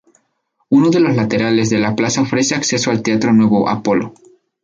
Uno de los laterales de la plaza ofrece acceso al Teatro Nuevo Apolo.